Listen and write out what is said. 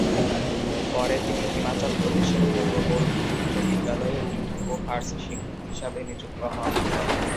পরে তিনি হিমাচল প্রদেশের পৌর বোর্ড উচ্চ বিদ্যালয়ে উর্দু ও ফারসি শিক্ষক হিসাবে নিযুক্ত হন।